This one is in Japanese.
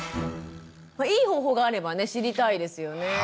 いい方法があればね知りたいですよね。